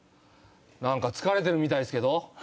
何か疲れてるみたいっすけど？